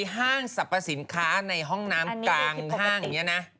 ห้างสรรพสินค้าในห้องน้ำกลางห้างอย่างนี้นะ